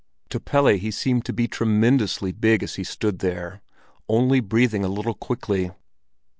To Pelle he seemed to be tremendously big as he stood there, only breathing a little quickly.